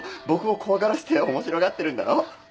僕を怖がらせて面白がってるんだろ？